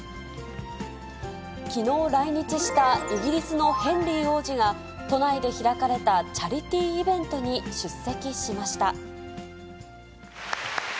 きのう来日したイギリスのヘンリー王子が、都内で開かれたチャリティーイベントに出席しました。